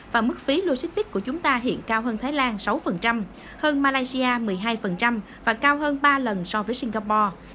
và mức phí logistics của chúng ta hiện cao hơn thái lan sáu hơn malaysia một mươi hai và cao hơn ba lần so với singapore